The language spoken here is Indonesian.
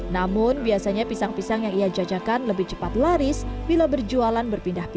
namun biasanya pisang pisang yang ia jajakan lebih cepat laris bila berjualan berpindah pindah